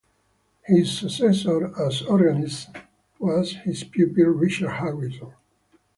His successor as organist was his pupil Richard Harrison.